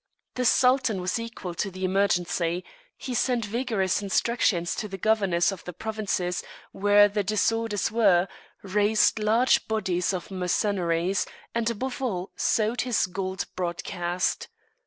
The Sultan was equal to the emergency; he sent vigorous instructions to the governors of the provinces where the disorders were; raised large bodies of mercenaries, and, above all, sowed his gold broadcast.